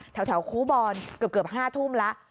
คูบอลเกือบ๕ทุ่มแล้ว